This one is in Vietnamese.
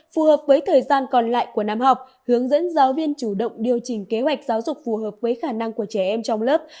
phù hợp với thời gian còn lại của năm học hướng dẫn giáo viên chủ động điều chỉnh kế hoạch giáo dục phù hợp với khả năng của trẻ em trong lớp